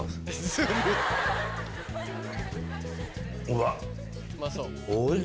うわ！